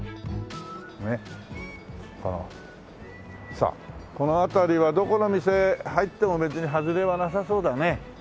さあこの辺りはどこの店入っても別にはずれはなさそうだね。